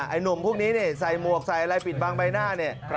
ไอ้หนุ่มพวกนี้ใส่หมวกใส่อะไรปิดบางใบหน้าเนี่ย